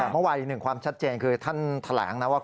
แต่เมื่อวานอีกหนึ่งความชัดเจนคือท่านแถลงนะว่า